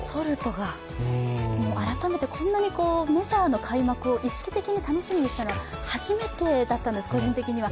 改めてこんなにメジャーの開幕を意識的に楽しみしたのは初めてだったんです、個人的には。